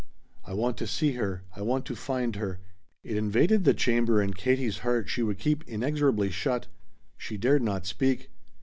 "I want to see her! I want to find her!" It invaded the chamber in Katie's heart she would keep inexorably shut. She dared not speak.